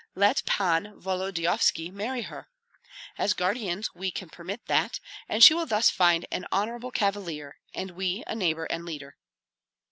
Let Pan Volodyovski marry her. As guardians we can permit that, and she will thus find an honorable cavalier, and we a neighbor and leader."